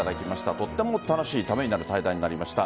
とっても楽しいためになる対談になりました。